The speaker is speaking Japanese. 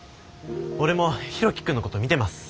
俺も博喜くんのこと見てます。